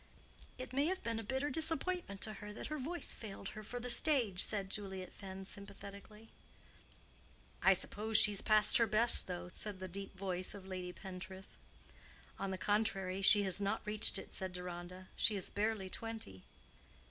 "It may have been a bitter disappointment to her that her voice failed her for the stage," said Juliet Fenn, sympathetically. "I suppose she's past her best, though," said the deep voice of Lady Pentreath. "On the contrary, she has not reached it," said Deronda. "She is barely twenty."